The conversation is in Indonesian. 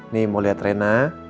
nih mau lihat reina